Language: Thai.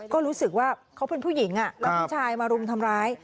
ก็รู้สึกว่าเขาเป็นผู้หญิงแล้วผู้ชายมารุมทำร้าย